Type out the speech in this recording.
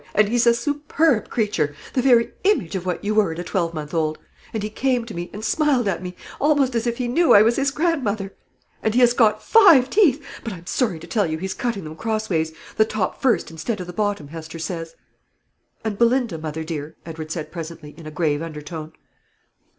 and he's a superb creature, the very image of what you were at a twelvemonth old; and he came to me, and smiled at me, almost as if he knew I was his grandmother; and he has got FIVE teeth, but I'm sorry to tell you he's cutting them crossways, the top first instead of the bottom, Hester says." "And Belinda, mother dear?" Edward said presently, in a grave undertone.